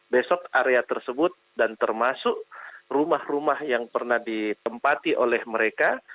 besok area tersebut dan termasuk rumah rumah yang pernah ditempati oleh mereka